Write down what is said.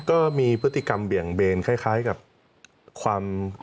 ก็มีพฤติกรรมเบี่ยงเบนคล้ายกับความ